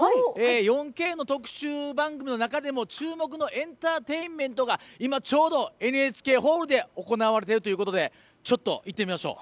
４Ｋの特集番組の中でも注目のエンターテインメントが今ちょうどＮＨＫホールで行われているということでちょっと行ってみましょう。